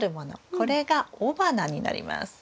これが雄花になります。